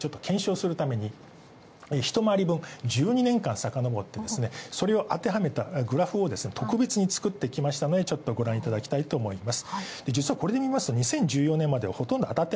そもそもあたるのかあたらないのかという、ちょっと検証するために一回り分１２年間さかのぼって、それを当てはめたグラフを特別に作ってきましたのでごらんいただきたいと思います。